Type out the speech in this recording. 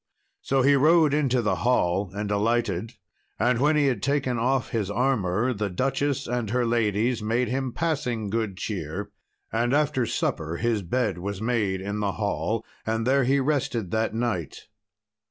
So he rode into the hall and alighted. And when he had taken off his armour, the duchess and her ladies made him passing good cheer. And after supper his bed was made in the hall, and there he rested that night.